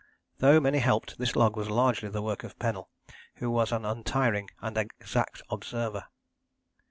Though many helped, this log was largely the work of Pennell, who was an untiring and exact observer.